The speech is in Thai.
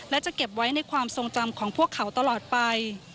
และจะเก็บไว้ในความทรงจำของพวกเขาตลอดไป